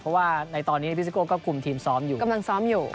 เพราะว่าในตอนนี้พี่ซิโก้ก็คุมทีมซ้อมอยู่กำลังซ้อมอยู่